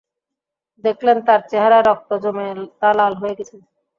দেখলেন, তার চেহারায় রক্ত জমে তা লাল হয়ে গেছে।